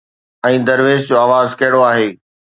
۽ درويش جو آواز ڪهڙو آهي